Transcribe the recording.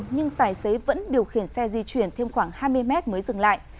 nhưng tài xế vẫn điều khiển xe di chuyển thêm khoảng hai mươi mét mới dừng lại